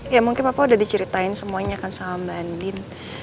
ya mungkin papa udah diceritain semuanya kan sama mbak andim